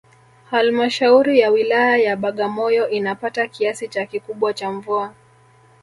Halmashauri ya Wilaya ya Bagamyo inapata kiasi cha kikubwa cha mvua